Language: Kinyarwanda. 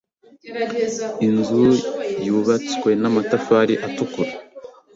Inzu yubatswe n'amatafari atukura.